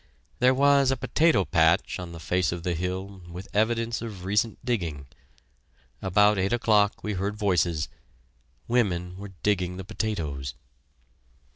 There was a potato patch on the face of the hill, with evidence of recent digging. About eight o'clock we heard voices. Women were digging the potatoes.